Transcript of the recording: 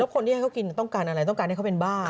คนที่ให้เขากินต้องการอะไรต้องการให้เขาเป็นบ้า